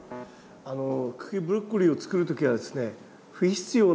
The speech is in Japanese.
茎ブロッコリーを作る時はですね